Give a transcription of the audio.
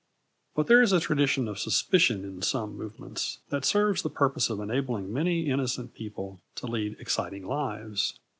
But there is a tradition of suspicion in some movements that serves the purpose of enabling many innocent people to lead exciting lives.